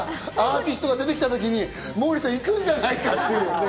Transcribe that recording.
ゲストが出てきたときにモーリーさんが行くんじゃないかって。